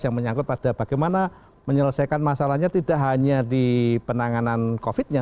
yang menyangkut pada bagaimana menyelesaikan masalahnya tidak hanya di penanganan covid nya